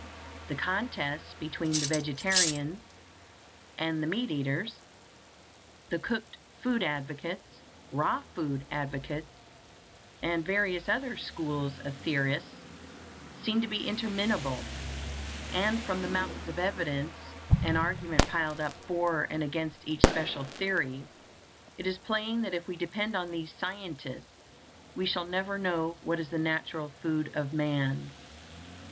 The contests between the vegetarians and the meat eaters, the cooked food advocates, raw food advocates, and various other "schools" of theorists, seem to be interminable; and from the mountains of evidence and argument piled up for and against each special theory, it is plain that if we depend on these scientists we shall never know what is the natural food of man.